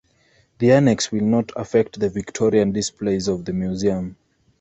The annex will not affect the Victorian displays of the museum.